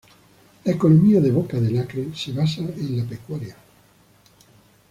La economía de Boca del Acre se basa en la pecuaria.